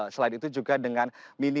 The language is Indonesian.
selain itu juga dengan mini